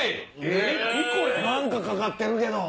何かかかってるけど？